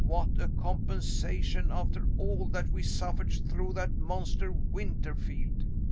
What a compensation after all that we suffered through that monster, Winterfield!"